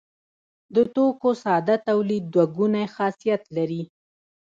د توکو ساده تولید دوه ګونی خاصیت لري.